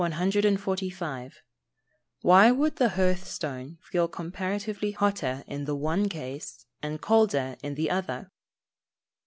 145. _Why would the hearth stone feel comparatively hotter in the one case, and colder in the other?